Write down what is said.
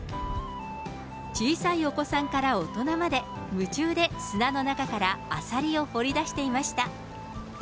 小さいお子さんから大人まで、夢中で砂の中からアサリを掘り出していました。